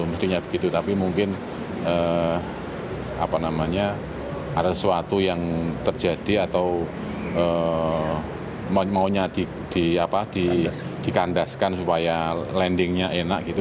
mestinya begitu tapi mungkin ada sesuatu yang terjadi atau maunya dikandaskan supaya landingnya enak gitu